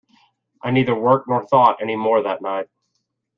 I neither worked nor thought any more that night.